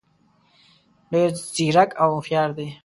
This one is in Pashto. ډېر ځیرک او هوښیار دي.